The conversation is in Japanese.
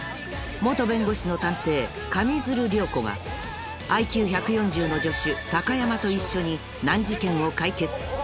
［元弁護士の探偵上水流涼子がＩＱ１４０の助手貴山と一緒に難事件を解決］